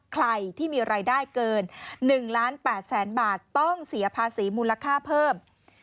ใครที่มีรายได้เกิน๑ล้าน๘แสนบาทต้องเสียภาษีมูลค่าเพิ่ม